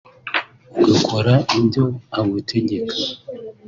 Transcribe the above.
ugakora ibyo agutegeka